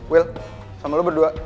will sama lu berdua